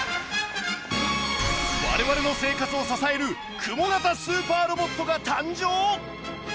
我々の生活を支えるクモ型スーパーロボットが誕生！？